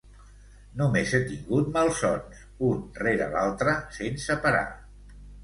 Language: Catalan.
Només he tingut malsons, un rere l'altre sense parar.